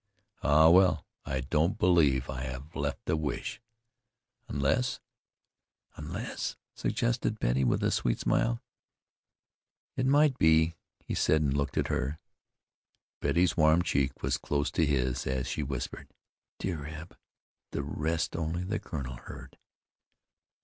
Ah! well, I don't believe I have left a wish, unless " "Unless?" suggested Betty with her sweet smile. "It might be " he said and looked at her. Betty's warm cheek was close to his as she whispered: "Dear Eb!" The rest only the colonel heard.